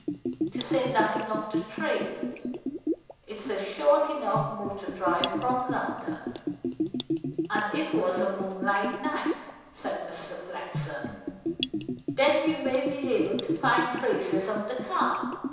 To say nothing of the train, it's a short enough motor drive from London; and it was a moonlight night," said Mr. Flexen. "Then you may be able to find traces of the car.